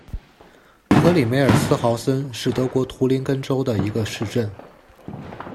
格里梅尔斯豪森是德国图林根州的一个市镇。